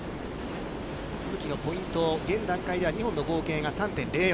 都築のポイント、現段階では２本の合計が３．０４。